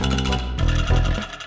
terima kasih bang